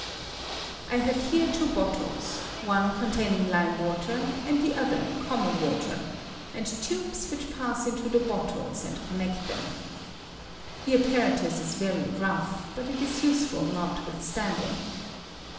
I have here two bottles, one containing lime I water and the other common water, and tubes ^^L which pass into the bottles and connect them, ^^H The apparatus ia veiy rough, but it is useful ^^H notwithstanding.